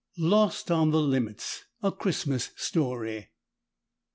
*LOST ON THE LIMITS.* *(A CHRISTMAS STORY.)